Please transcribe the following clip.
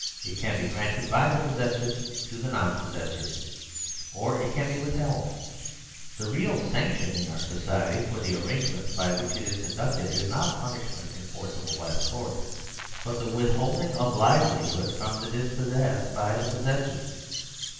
It can be grant ed by the possessors to the non possessors, or it can be withheld. The real sanction in our society for the arrangements by which it is conducted is not punish ment enforceable by the Courts, but the withholding of livelihood from the dispossessed by the possessors.